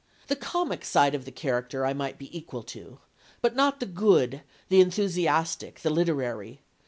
"The comic side of the character I might be equal to, but not the good, the enthusiastic, the literary.